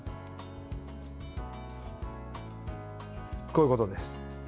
こういうことです。